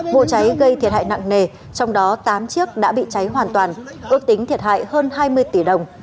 vụ cháy gây thiệt hại nặng nề trong đó tám chiếc đã bị cháy hoàn toàn ước tính thiệt hại hơn hai mươi tỷ đồng